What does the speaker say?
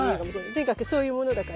とにかくそういうものだから。